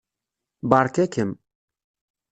Beṛka-kem.